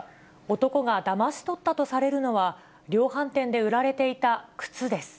男がだまし取ったとされるのは、量販店で売られていた靴です。